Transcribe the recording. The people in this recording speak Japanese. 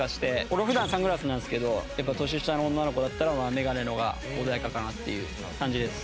俺普段サングラスなんですけどやっぱ年下の女の子だったらまあメガネの方が穏やかかなっていう感じです。